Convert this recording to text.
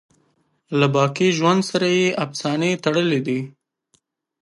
له باقی ژوند سره یې افسانې تړلي دي.